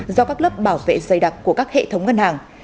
do các lớp bảo vệ dày đặc của các hệ thống ngân hàng